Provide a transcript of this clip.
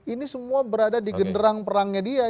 ini semua berada di genderang perangnya dia